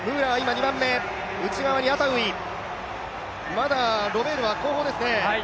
まだロベールは後方ですね。